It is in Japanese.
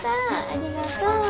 ありがとう。